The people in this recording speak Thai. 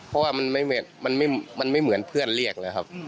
เพราะว่ามันไม่เหมือนเพื่อนเรียกเลยครับ